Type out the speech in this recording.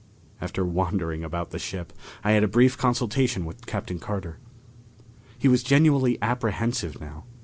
After wandering about the ship, I had a brief consultation with Captain Carter. He was genuinely apprehensive now.